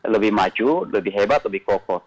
lebih maju lebih hebat lebih kokoh